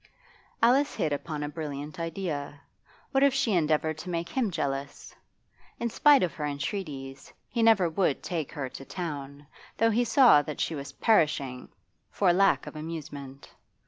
Alice hit upon a brilliant idea. What if she endeavoured to make him jealous? In spite of her entreaties, he never would take her to town, though he saw that she was perishing for lack of amusement.